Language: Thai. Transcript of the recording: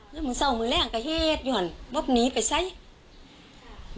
แล้วมึงเศร้ามึงแร่งกะเฮดอย่างนี้แบบนี้ไปใช้